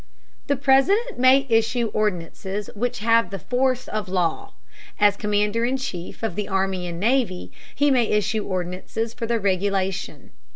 The President may issue ordinances which have the force of law. As commander in chief of the army and navy, he may issue ordinances for their regulation.